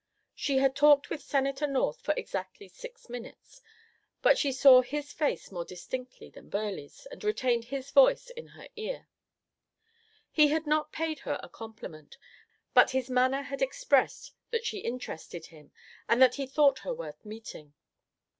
She had talked with Senator North for exactly six minutes, but she saw his face more distinctly than Burleigh's and retained his voice in her ear. He had not paid her a compliment, but his manner had expressed that she interested him and that he thought her worth meeting.